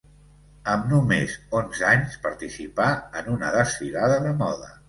Amb només onze anys, participà en una desfilada de moda.